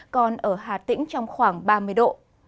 còn ở hà tĩnh trong khoảng ba mươi độ